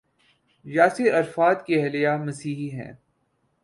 Yasir Arafat کی اہلیہ مسیحی ہیں۔